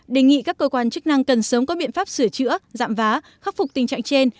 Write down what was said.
đề nghị các cơ quan chức năng cần sớm có biện pháp sửa chữa giảm vá khắc phục tình trạng trên